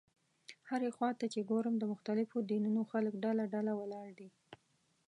هرې خوا ته چې ګورم د مختلفو دینونو خلک ډله ډله ولاړ دي.